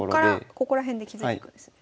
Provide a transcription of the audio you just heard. ここら辺で築いていくんですね。